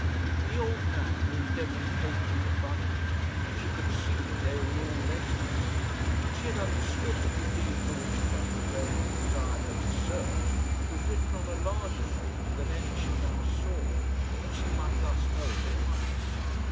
The old man moved every paper in the bundle, and she could see that they were all letters. She had understood that the deed for which Trendellsohn had desired her to search was written on a larger paper than any she now saw, and that she might thus know it at once.